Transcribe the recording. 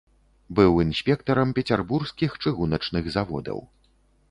Быў інспектарам пецярбургскіх чыгуначных заводаў.